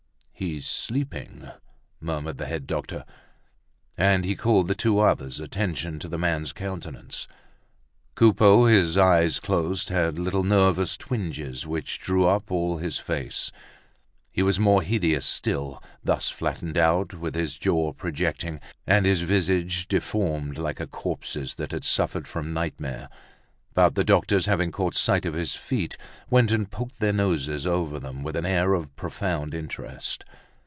"He's sleeping," murmured the head doctor. And he called the two others' attention to the man's countenance. Coupeau, his eyes closed, had little nervous twinges which drew up all his face. He was more hideous still, thus flattened out, with his jaw projecting, and his visage deformed like a corpse's that had suffered from nightmare; but the doctors, having caught sight of his feet, went and poked their noses over them, with an air of profound interest.